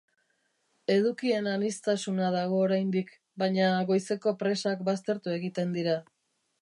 Edukien aniztasuna dago oraindik, baina goizeko presak baztertu egiten dira.